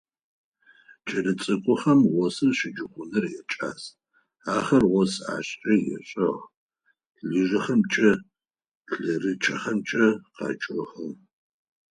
Кӏэлэцӏыкӏухэм осым щыджэгуныр якӏас: ахэр ос ӏашкӏэ ешӏэх, лыжэхэмкӏэ, лъэрычъэхэмкӏэ къачъыхьэ.